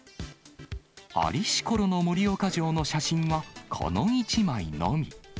在りしころの盛岡城の写真はこの１枚のみ。